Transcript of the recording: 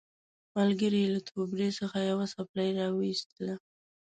ملګري یې له توبرې څخه یوه څپلۍ راوایستله.